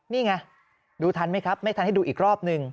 นี่ไงดูทันไหมครับไม่ทันให้ดูอีกรอบหนึ่ง